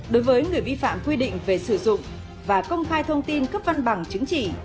đối với người vi phạm quy định về sử dụng và công khai thông tin cấp văn bằng chứng chỉ